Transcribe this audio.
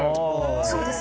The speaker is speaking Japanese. そうです。